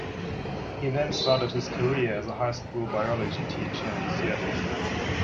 He then started his career as a high school biology teacher in Seattle.